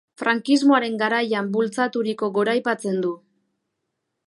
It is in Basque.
Frankismoaren garaian bultzaturiko goraipatzen du.